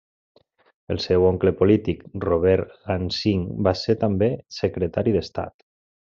El seu oncle polític Robert Lansing va ser també secretari d'estat.